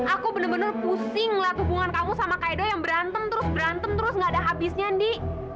aku bener bener pusinglah hubungan kamu sama kaedo yang berantem terus berantem terus nggak ada habisnya ndi